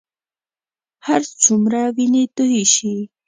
هرڅومره وینې تویې شي.